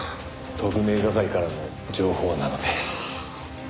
特命係からの情報なので。